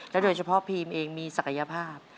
โดยเฉพาะพีมเองมีศักยภาพ